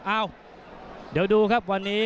อ้าวเดี๋ยวดูครับวันนี้